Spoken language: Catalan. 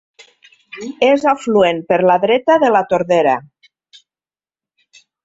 És afluent per la dreta de la Tordera.